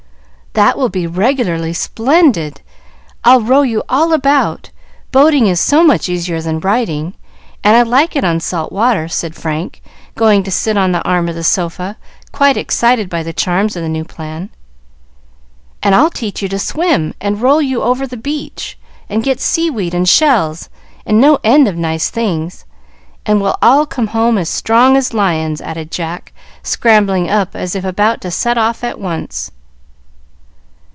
"That will be regularly splendid! I'll row you all about boating is so much easier than riding, and I like it on salt water," said Frank, going to sit on the arm of the sofa, quite excited by the charms of the new plan. "And I'll teach you to swim, and roll you over the beach, and get sea weed and shells, and no end of nice things, and we'll all come home as strong as lions," added Jack, scrambling up as if about to set off at once.